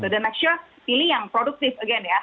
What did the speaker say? dan make sure pilih yang produktif